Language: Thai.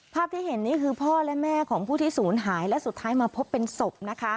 ภาพที่เห็นนี่คือพ่อและแม่ของผู้ที่ศูนย์หายและสุดท้ายมาพบเป็นศพนะคะ